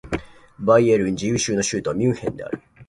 バイエルン自由州の州都はミュンヘンである